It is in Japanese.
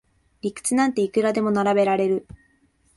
理屈なんていくらでも並べられる